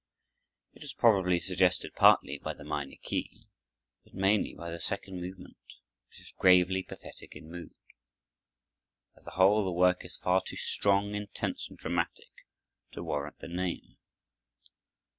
It was probably suggested partly by the minor key, but mainly by the second movement, which is gravely pathetic in mood. As a whole the work is far too strong, intense, and dramatic to warrant the name.